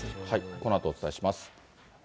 このあとお伝えします。